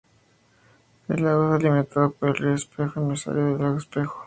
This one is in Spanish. El lago es alimentado por el río Espejo, un emisario del lago Espejo.